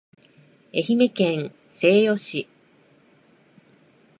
愛媛県西予市